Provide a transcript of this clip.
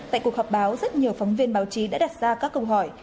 tại cuộc họp báo rất nhiều phóng viên báo chí đã đặt ra các câu hỏi